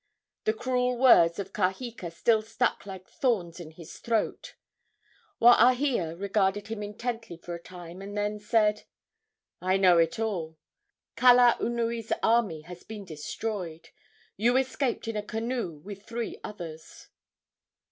The cruel words of Kaheka still stuck like thorns in his throat. Waahia regarded him intently for a time, and then said: "I know it all. Kalaunui's army has been destroyed. You escaped in a canoe with three others."